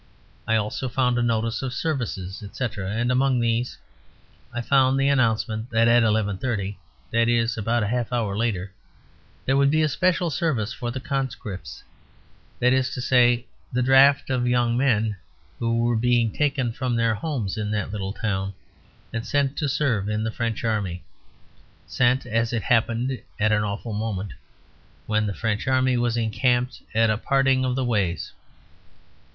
I also found a notice of services, etc., and among these I found the announcement that at 11.30 (that is about half an hour later) there would be a special service for the Conscripts, that is to say, the draft of young men who were being taken from their homes in that little town and sent to serve in the French Army; sent (as it happened) at an awful moment, when the French Army was encamped at a parting of the ways.